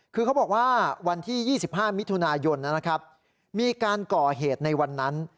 คือเขาบอกว่าวันที่๒๕มิถุนายนนะครับมีการก่อเหตุในวันนั้น